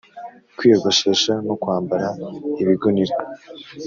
kwiyogoshesha no kwambara ibigunira,